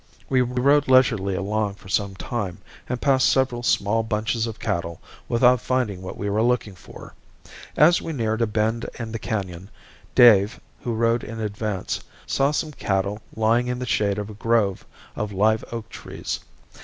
We rode leisurely along for some time and passed several small bunches of cattle without finding what we were looking for. As we neared a bend in the canon, Dave, who rode in advance, saw some cattle lying in the shade of a grove of live oak trees.